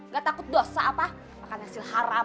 gak takut dosa apa makan hasil haram